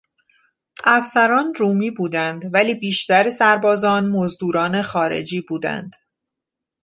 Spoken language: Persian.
افسران، رومی بودند ولی بیشتر سربازان مزدوران خارجی بودند.